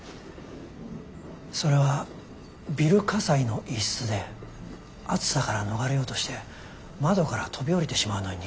それはビル火災の一室で熱さから逃れようとして窓から飛び降りてしまうのに似ていますよ。